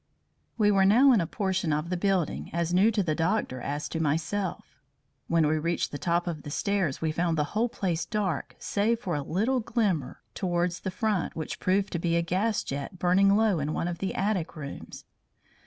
We were now in a portion of the building as new to the doctor as to myself. When we reached the top of the stairs we found the whole place dark save for a little glimmer towards the front which proved to be a gas jet burning low in one of the attic rooms.